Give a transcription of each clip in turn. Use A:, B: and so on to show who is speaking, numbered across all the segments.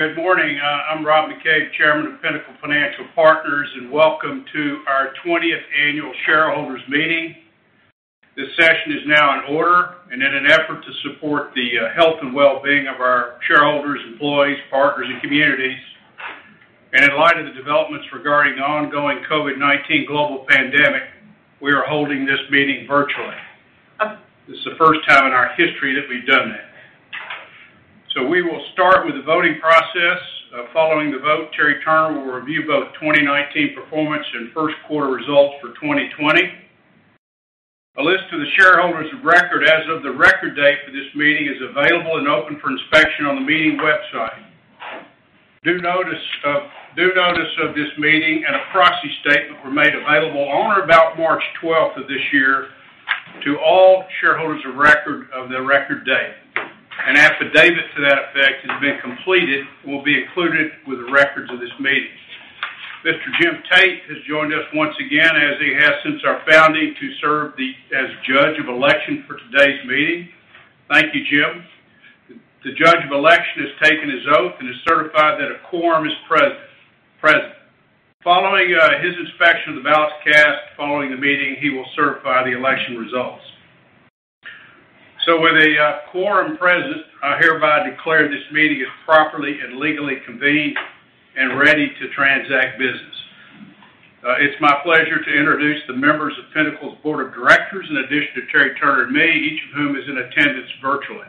A: Good morning. I'm Rob McCabe, Chairman of Pinnacle Financial Partners, and welcome to our 20th annual shareholders meeting. This session is now in order, and in an effort to support the health and well-being of our shareholders, employees, partners, and communities, and in light of the developments regarding the ongoing COVID-19 global pandemic, we are holding this meeting virtually. This is the first time in our history that we've done that. We will start with the voting process. Following the vote, Terry Turner will review both 2019 performance and first quarter results for 2020. A list of the shareholders of record as of the record date for this meeting is available and open for inspection on the meeting website. Due notice of this meeting and a proxy statement were made available on or about March 12th of this year to all shareholders of the record date. An affidavit to that effect has been completed and will be included with the records of this meeting. Mr. Jim Tate has joined us once again, as he has since our founding, to serve as judge of election for today's meeting. Thank you, Jim. The judge of election has taken his oath and has certified that a quorum is present. Following his inspection of the ballots cast following the meeting, he will certify the election results. With a quorum present, I hereby declare this meeting is properly and legally convened and ready to transact business. It's my pleasure to introduce the members of Pinnacle's board of directors, in addition to Terry Turner and me, each of whom is in attendance virtually.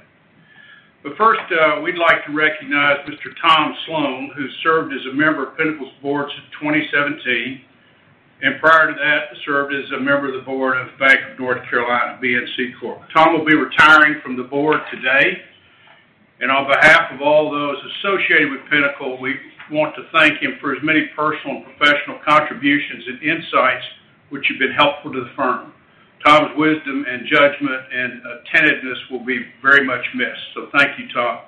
A: First, we'd like to recognize Mr. Tom Sloan, who served as a member of Pinnacle's board since 2017, and prior to that, served as a member of the board of Bank of North Carolina, BNC Bancorp. Tom will be retiring from the board today, and on behalf of all those associated with Pinnacle, we want to thank him for his many personal and professional contributions and insights, which have been helpful to the firm. Tom's wisdom and judgment and attentiveness will be very much missed. Thank you, Tom.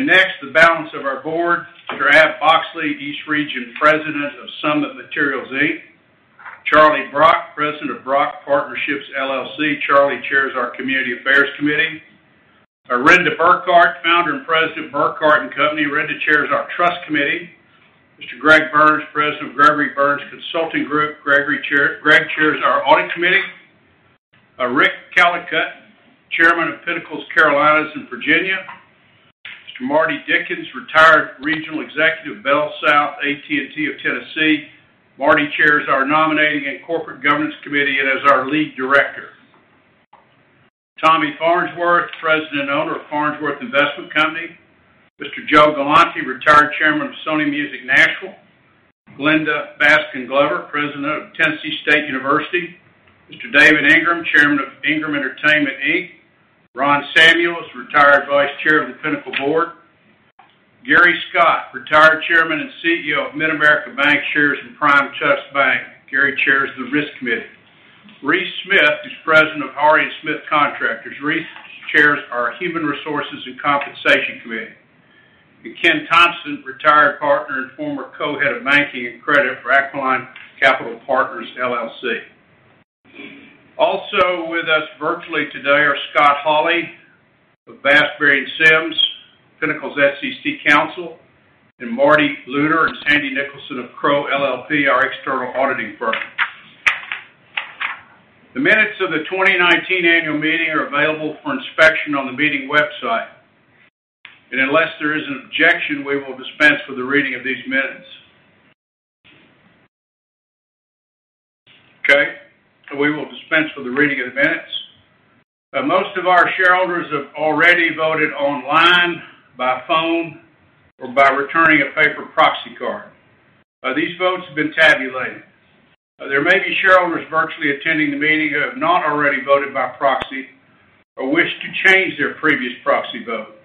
A: Next, the balance of our board. Mr. Ab Boxley, East Region President of Summit Materials, Inc. Charlie Brock, President of Brock Partnerships, LLC. Charlie chairs our Community Affairs Committee. Renda Burkhart, Founder and President of Burkhart and Company. Renda chairs our Trust Committee. Mr. Greg Burns, President of Gregory Burns Consulting Group. Greg chairs our Audit Committee. Rick Callicutt, Chairman of Pinnacle's Carolinas and Virginia. Mr. Marty Dickens, retired Regional Executive, BellSouth AT&T of Tennessee. Marty chairs our Nominating and Corporate Governance Committee, and is our Lead Director. Tommy Farnsworth, President and Owner of Farnsworth Investment Company. Mr. Joe Galante, Retired Chairman of Sony Music Nashville. Glenda Baskin Glover, President of Tennessee State University. Mr. David Ingram, Chairman of Ingram Entertainment Inc. Ron Samuels, Retired Vice Chair of the Pinnacle Board. Gary Scott, Retired Chairman and CEO of Mid-America Bancshares and Prime Trust Bank. Gary chairs the Risk Committee. Reese Smith is President of R.E. Smith Contractors. Reese chairs our Human Resources and Compensation Committee. Ken Thompson, Retired Partner and former Co-Head of Banking and Credit for Aquiline Capital Partners, LLC. Also with us virtually today are Scott Hawley of Bass, Berry & Sims, Pinnacle's SEC counsel, and Marty Lunar and Sindy Nicholson of Crowe LLP, our external auditing firm. The minutes of the 2019 annual meeting are available for inspection on the meeting website. Unless there is an objection, we will dispense with the reading of these minutes. Okay. We will dispense with the reading of the minutes. Most of our shareholders have already voted online, by phone, or by returning a paper proxy card. These votes have been tabulated. There may be shareholders virtually attending the meeting who have not already voted by proxy or wish to change their previous proxy vote.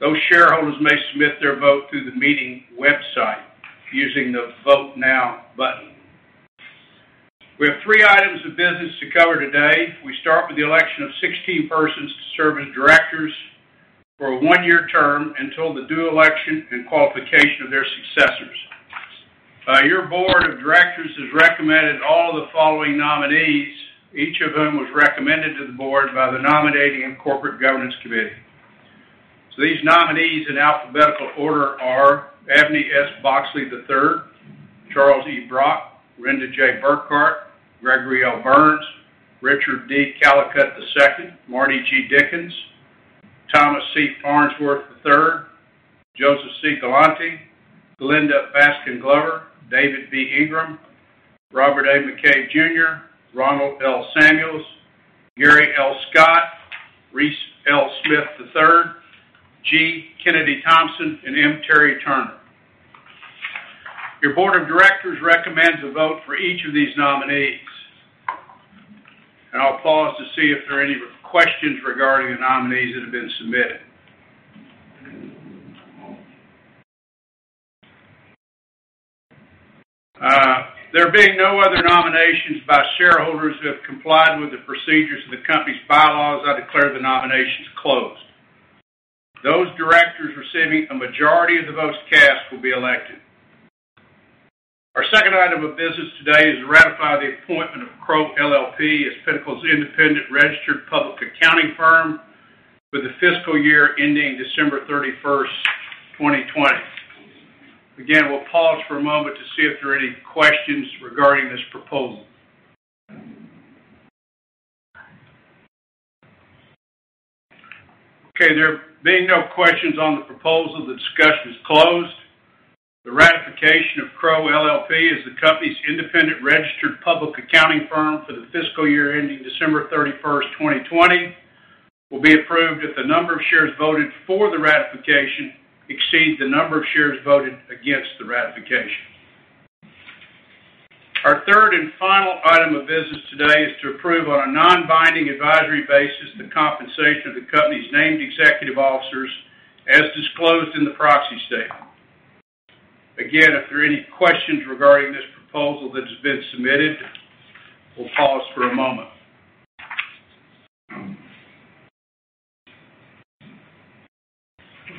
A: Those shareholders may submit their vote through the meeting website using the Vote Now button. We have three items of business to cover today. We start with the election of 16 persons to serve as directors for a one-year term until the due election and qualification of their successors. Your board of directors has recommended all of the following nominees. Each of them was recommended to the board by the Nominating and Corporate Governance Committee. These nominees in alphabetical order are Abney S. Boxley III, Charles E. Brock, Renda J. Burkhart, Gregory L. Burns, Richard D. Callicutt II, Marty G. Dickens, Thomas C. Farnsworth III, Joseph C. Galante, Glenda Baskin Glover, David B. Ingram, Robert A. McCabe Jr., Ronald L. Samuels, Gary L. Scott, Reese L. Smith, III, G. Kennedy Thompson, and M. Terry Turner. Your board of directors recommends a vote for each of these nominees. I'll pause to see if there are any questions regarding the nominees that have been submitted. There being no other nominations by shareholders who have complied with the procedures of the company's bylaws, I declare the nominations closed. Those directors receiving a majority of the votes cast will be elected. Our second item of business today is to ratify the appointment of Crowe LLP as Pinnacle's independent registered public accounting firm for the fiscal year ending December 31st, 2020. We'll pause for a moment to see if there are any questions regarding this proposal. There being no questions on the proposal, the discussion is closed. The ratification of Crowe LLP as the company's independent registered public accounting firm for the fiscal year ending December 31st, 2020, will be approved if the number of shares voted for the ratification exceeds the number of shares voted against the ratification. Our third and final item of business today is to approve on a non-binding advisory basis the compensation of the company's named executive officers as disclosed in the Proxy Statement. Again, if there are any questions regarding this proposal that has been submitted, we'll pause for a moment.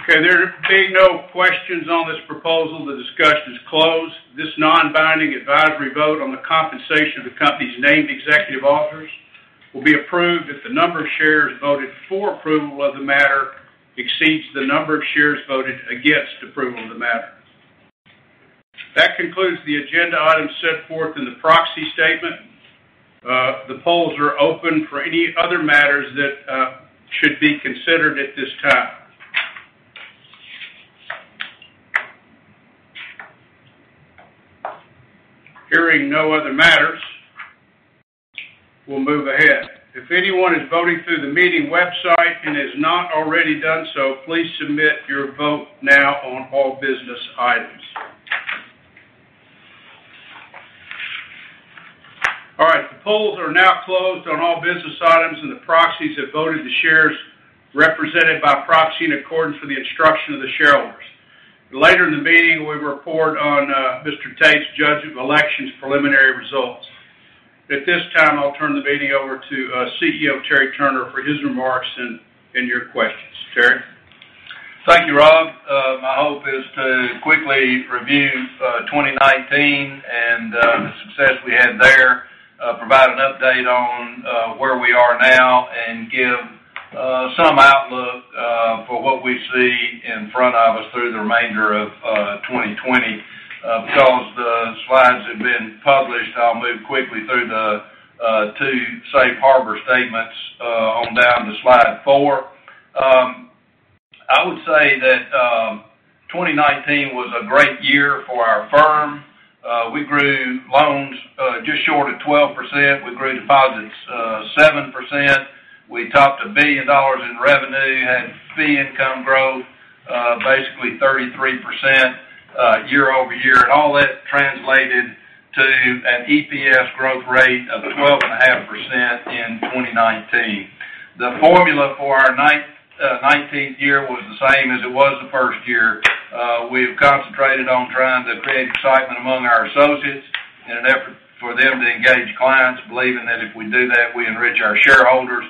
A: Okay, there being no questions on this proposal, the discussion is closed. This non-binding advisory vote on the compensation of the company's named executive officers will be approved if the number of shares voted for approval of the matter exceeds the number of shares voted against approval of the matter. That concludes the agenda items set forth in the Proxy Statement. The polls are open for any other matters that should be considered at this time. Hearing no other matters, we'll move ahead. If anyone is voting through the meeting website and has not already done so, please submit your vote now on all business items. The polls are now closed on all business items, and the proxies have voted the shares represented by proxy in accordance with the instruction of the shareholders. Later in the meeting, we report on Mr. Tate's judge of elections preliminary results. At this time, I'll turn the meeting over to CEO Terry Turner for his remarks and your questions. Terry?
B: Thank you, Rob. My hope is to quickly review 2019 and the success we had there, provide an update on where we are now, and give some outlook for what we see in front of us through the remainder of 2020. Because the slides have been published, I'll move quickly through the two safe harbor statements on down to slide four. I would say that 2019 was a great year for our firm. We grew loans just short of 12%. We grew deposits 7%. We topped $1 billion in revenue and fee income growth, basically 33% year-over-year. All that translated to an EPS growth rate of 12.5% in 2019. The formula for our 19th year was the same as it was the first year. We've concentrated on trying to create excitement among our associates in an effort for them to engage clients, believing that if we do that, we enrich our shareholders.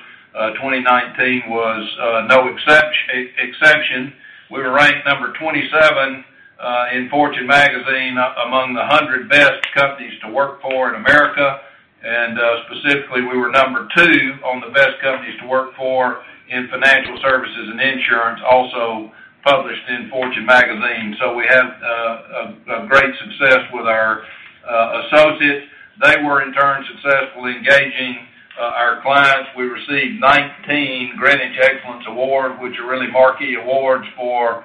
B: 2019 was no exception. We were ranked 27 in Fortune Magazine among the 100 Best Companies to Work For in America, and specifically, we were number 2 on the Best Companies to Work For in Financial Services and Insurance, also published in Fortune Magazine. We have great success with our associates. They were in turn successful engaging our clients. We received 19 Greenwich Excellence Awards, which are really marquee awards for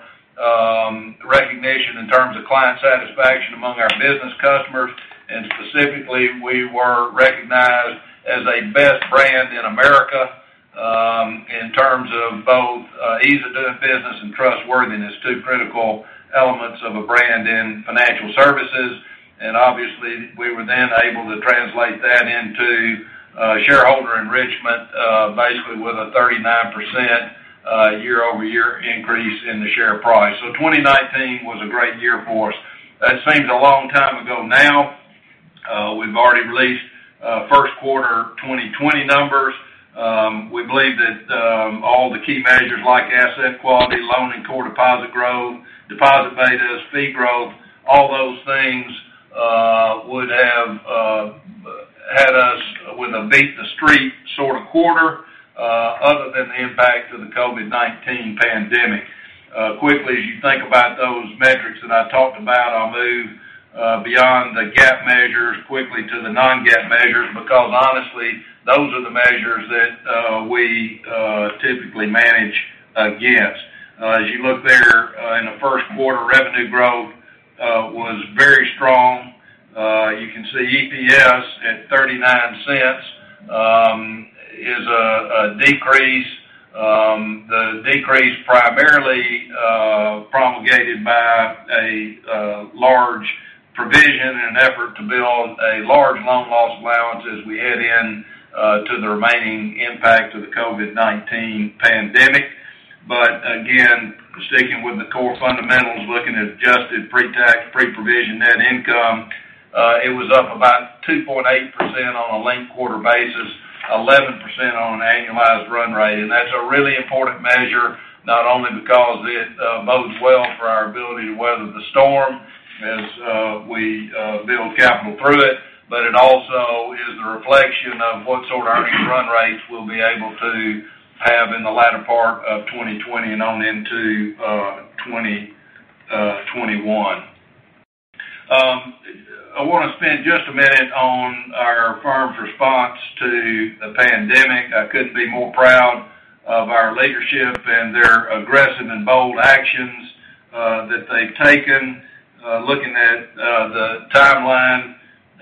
B: recognition in terms of client satisfaction among our business customers. Specifically, we were recognized as a Best Brand in America in terms of both ease of doing business and trustworthiness, two critical elements of a brand in financial services. Obviously, we were then able to translate that into shareholder enrichment basically with a 39% year-over-year increase in the share price. 2019 was a great year for us. That seems a long time ago now. We've already released first quarter 2020 numbers. We believe that all the key measures like asset quality, loan and core deposit growth, deposit betas, fee growth, all those things would have had us with a beat the street sort of quarter, other than the impact of the COVID-19 pandemic. Quickly, as you think about those metrics that I talked about, I'll move beyond the GAAP measures quickly to the non-GAAP measures because honestly, those are the measures that we typically manage against. As you look there in the first quarter, revenue growth was very strong. You can see EPS at $0.39 is a decrease. The decrease primarily promulgated by a large provision in an effort to build a large loan loss allowance as we head in to the remaining impact of the COVID-19 pandemic. Again, sticking with the core fundamentals, looking at adjusted pre-tax, pre-provision net income, it was up about 2.8% on a linked quarter basis, 11% on an annualized run rate. That's a really important measure, not only because it bodes well for our ability to weather the storm as we build capital through it, but it also is the reflection of what sort of earnings run rates we'll be able to have in the latter part of 2020 and on into 2021. I want to spend just a minute on our firm's response to the pandemic. I couldn't be more proud of our leadership and their aggressive and bold actions that they've taken. Looking at the timeline,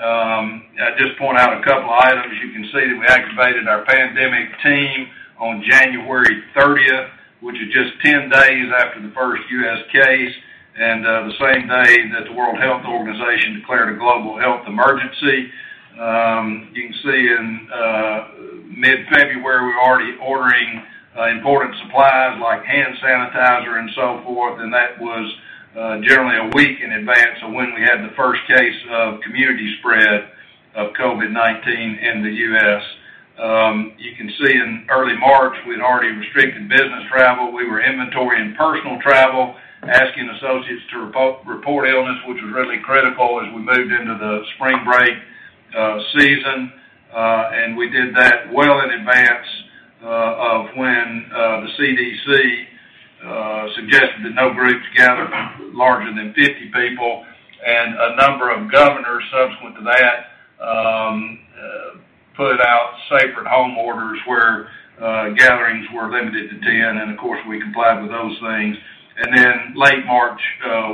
B: I'd just point out a couple items. You can see that we activated our pandemic team on January 30th, which is just 10 days after the first U.S. case, and the same day that the World Health Organization declared a global health emergency. You can see in mid-February, we're already ordering important supplies like hand sanitizer and so forth, and that was generally a week in advance of when we had the first case of community spread of COVID-19 in the U.S. You can see in early March, we had already restricted business travel. We were inventorying personal travel, asking associates to report illness, which was really critical as we moved into the spring break season. We did that well in advance of when the CDC suggested that no groups gather larger than 50 people. A number of governors subsequent to that, put out safer-at-home orders where gatherings were limited to 10, and of course, we complied with those things. Late March,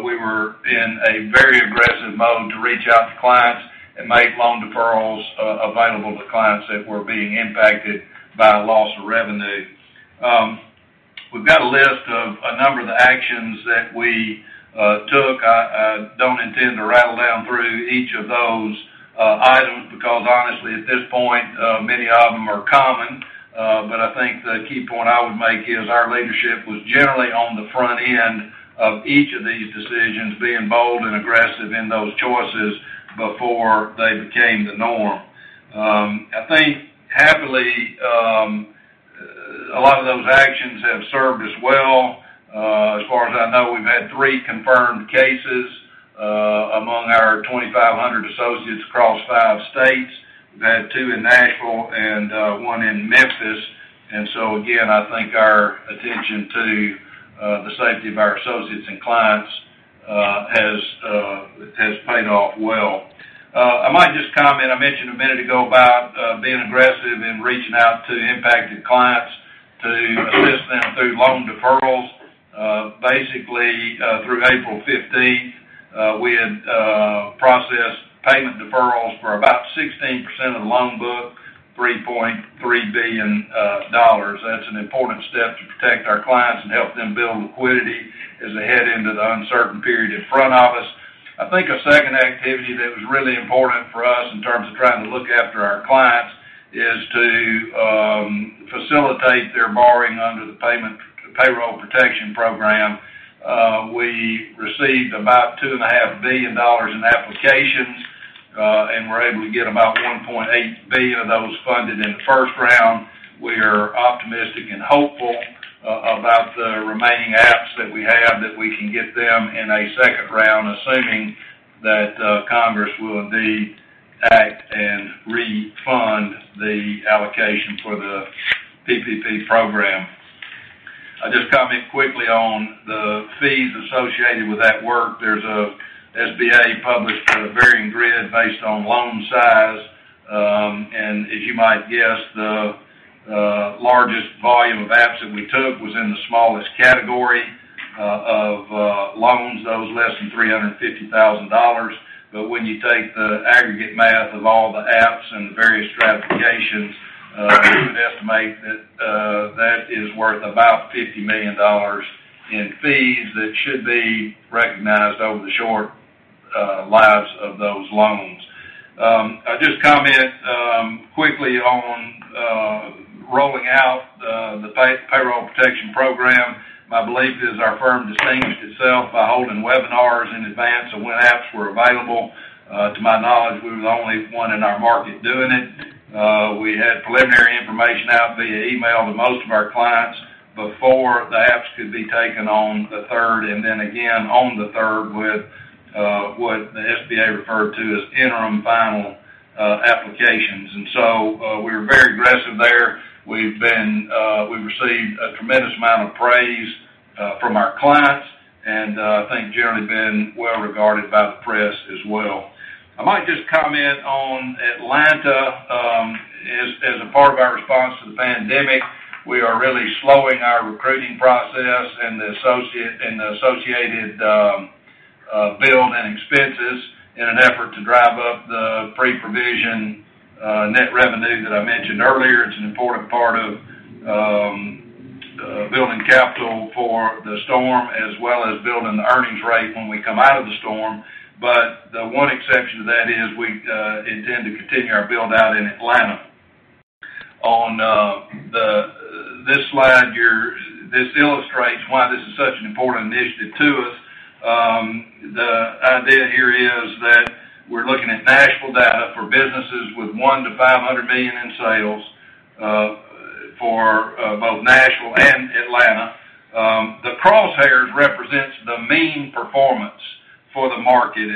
B: we were in a very aggressive mode to reach out to clients and make loan deferrals available to clients that were being impacted by the loss of revenue. We've got a list of a number of the actions that we took. I don't intend to rattle down through each of those items because honestly, at this point, many of them are common. I think the key point I would make is our leadership was generally on the front end of each of these decisions, being bold and aggressive in those choices before they became the norm. I think happily, a lot of those actions have served us well. As far as I know, we've had three confirmed cases among our 2,500 associates across five states. We've had two in Nashville and one in Memphis. Again, I think our attention to the safety of our associates and clients has paid off well. I might just comment, I mentioned a minute ago about being aggressive in reaching out to impacted clients to assist them through loan deferrals. Basically, through April 15th, we had processed payment deferrals for about 16% of the loan book, $3.3 billion. That's an important step to protect our clients and help them build liquidity as they head into the uncertain period in front of us. I think a second activity that was really important for us in terms of trying to look after our clients is to facilitate their borrowing under the Paycheck Protection Program. We received about $2.5 billion in applications, and we're able to get about $1.8 billion of those funded in the first round. We are optimistic and hopeful about the remaining apps that we have, that we can get them in a second round, assuming that Congress will indeed act and refund the allocation for the PPP program. I'll just comment quickly on the fees associated with that work. There's an SBA published kind of varying grid based on loan size. As you might guess, the largest volume of apps that we took was in the smallest category of loans, those less than $350,000. When you take the aggregate math of all the apps and various stratifications, we would estimate that that is worth about $50 million in fees that should be recognized over the short lives of those loans. I'll just comment quickly on rolling out the Paycheck Protection Program. My belief is our firm distinguished itself by holding webinars in advance of when apps were available. To my knowledge, we were the only one in our market doing it. We had preliminary information out via email to most of our clients before the apps could be taken on the third, then again on the third with what the SBA referred to as interim final applications. We were very aggressive there. We've received a tremendous amount of praise from our clients and I think generally been well regarded by the press as well. I might just comment on Atlanta. As a part of our response to the pandemic, we are really slowing our recruiting process and the associated build and expenses in an effort to drive up the pre-provision net revenue that I mentioned earlier. It's an important part of building capital for the storm, as well as building the earnings rate when we come out of the storm. The one exception to that is we intend to continue our build-out in Atlanta. This slide here, this illustrates why this is such an important initiative to us. The idea here is that we're looking at national data for businesses with one to $500 million in sales for both Nashville and Atlanta. The crosshairs represent the mean performance for the market.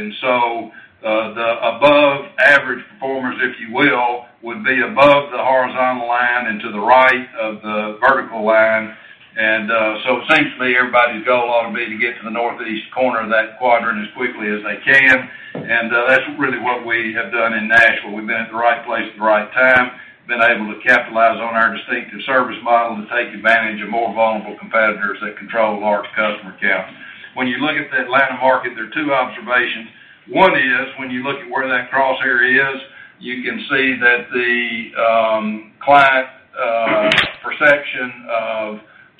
B: The above average performers, if you will, would be above the horizontal line and to the right of the vertical line. It seems to me everybody's goal ought to be to get to the northeast corner of that quadrant as quickly as they can. That's really what we have done in Nashville. We've been at the right place at the right time, been able to capitalize on our distinctive service model and take advantage of more vulnerable competitors that control large customer counts. When you look at the Atlanta market, there are two observations. One is, when you look at where that crosshair is, you can see that the client perception of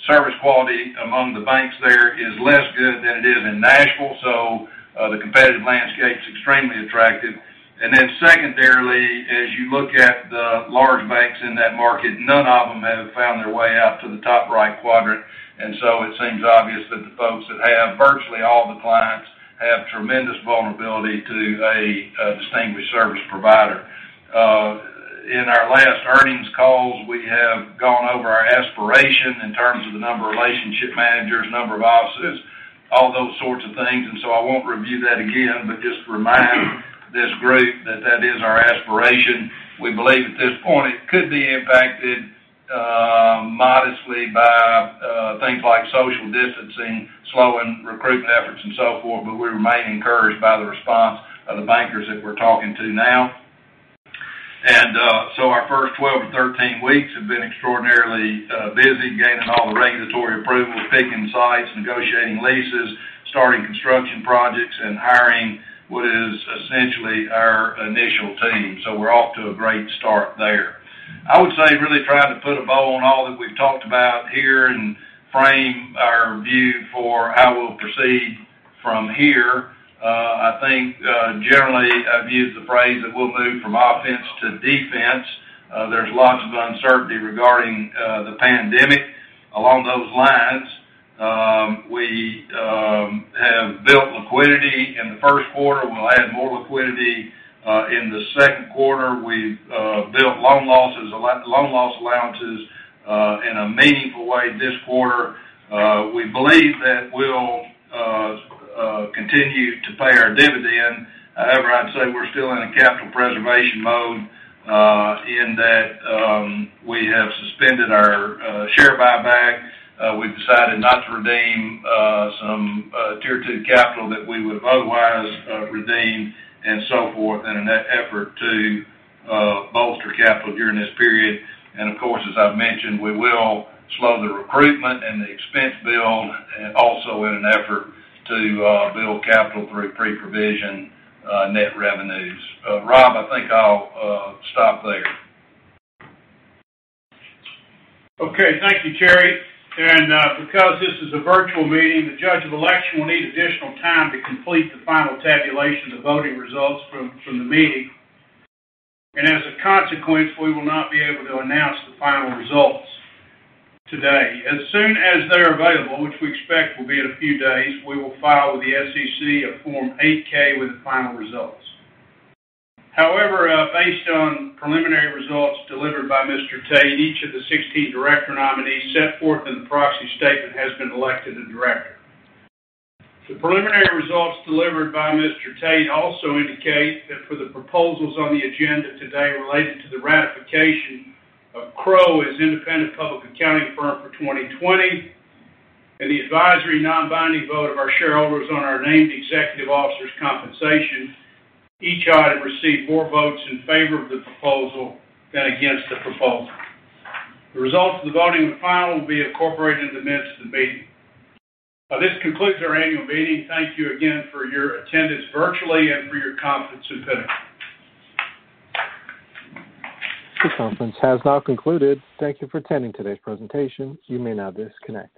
B: service quality among the banks there is less good than it is in Nashville. The competitive landscape's extremely attractive. Then secondarily, as you look at the large banks in that market, none of them have found their way out to the top right quadrant. So it seems obvious that the folks that have virtually all the clients have tremendous vulnerability to a distinguished service provider. In our last earnings calls, we have gone over our aspiration in terms of the number of relationship managers, number of offices, all those sorts of things, and so I won't review that again, but just remind this group that that is our aspiration. We believe at this point it could be impacted modestly by things like social distancing, slowing recruitment efforts and so forth, but we remain encouraged by the response of the bankers that we're talking to now. Our first 12-13 weeks have been extraordinarily busy gaining all the regulatory approval, picking sites, negotiating leases, starting construction projects, and hiring what is essentially our initial team. We're off to a great start there. I would say, really trying to put a bow on all that we've talked about here and frame our view for how we'll proceed from here, I think, generally I've used the phrase that we'll move from offense to defense. There's lots of uncertainty regarding the pandemic. Along those lines, we have built liquidity in the first quarter. We'll add more liquidity in the second quarter. We've built loan loss allowances in a meaningful way this quarter. We believe that we'll continue to pay our dividend. However, I'd say we're still in a capital preservation mode, in that we have suspended our share buyback. We've decided not to redeem some Tier 2 capital that we would otherwise redeem and so forth. In that effort to bolster capital during this period, and of course, as I've mentioned, we will slow the recruitment and the expense build also in an effort to build capital through pre-provision net revenues. Rob, I think I'll stop there.
A: Okay. Thank you, Terry. Because this is a virtual meeting, the judge of election will need additional time to complete the final tabulation of voting results from the meeting. As a consequence, we will not be able to announce the final results today. As soon as they're available, which we expect will be in a few days, we will file with the SEC a Form 8-K with the final results. However, based on preliminary results delivered by Mr. Tate, each of the 16 director nominees set forth in the proxy statement has been elected a director. The preliminary results delivered by Mr. Tate also indicate that for the proposals on the agenda today related to the ratification of Crowe as independent public accounting firm for 2020 and the advisory non-binding vote of our shareholders on our named executive officers' compensation, each item received more votes in favor of the proposal than against the proposal. The results of the voting of the final will be incorporated into the minutes of the meeting. This concludes our annual meeting. Thank you again for your attendance virtually and for your confidence in Pinnacle.
C: This conference has now concluded. Thank you for attending today's presentation. You may now disconnect.